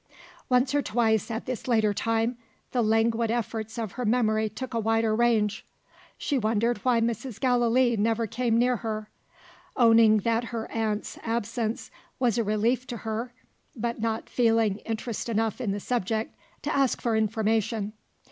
Once or twice, at this later time, the languid efforts of her memory took a wider range. She wondered why Mrs. Gallilee never came near her; owning that her aunt's absence was a relief to her, but not feeling interest enough in the subject to ask for information.